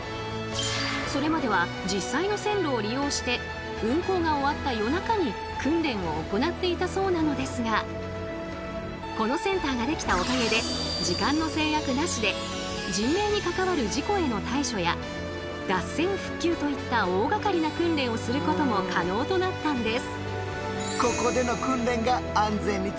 それまでは実際の線路を利用して運行が終わった夜中に訓練を行っていたそうなのですがこのセンターが出来たおかげで時間の制約なしで人命に関わる事故への対処や脱線復旧といった大がかりな訓練をすることも可能となったんです。